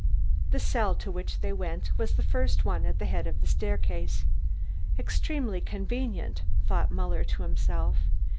The cell to which they went was the first one at the head of the staircase. "Extremely convenient," thought Muller to himself.